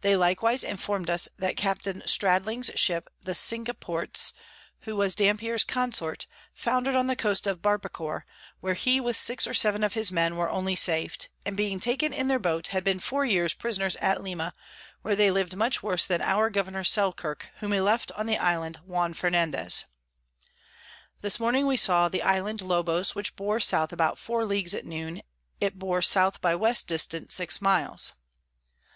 They likewise inform'd us that Capt. Stradling's Ship the Cinque Ports, [Sidenote: Arrival at Lobos.] who was Dampier's Consort, founder'd on the Coast of Barbacour, where he with six or seven of his Men were only sav'd; and being taken in their Boat, had been four Years Prisoners at Lima, where they liv'd much worse than our Governour Selkirk, whom they left on the Island Juan Fernandez. This Morning we saw the Island Lobos, which bore South about 4 Ls. at Noon it bore S by W. dist. 6 miles.